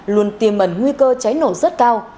luôn tiềm ẩn nguy cơ cháy nổ rất cao